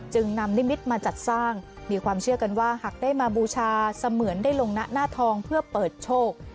จึงนำนิมิตรมาจัดสร้างมีความเชื่อกันว่าหากได้มาบูชาเสมือนได้ลงหน้าทองเพื่อเปิดโชค